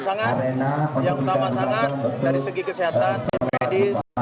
yang utama sangat dari segi kesehatan kredis